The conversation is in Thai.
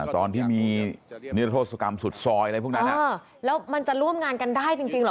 ตอนที่มีนิรโทษกรรมสุดซอยอะไรพวกนั้นแล้วมันจะร่วมงานกันได้จริงเหรอ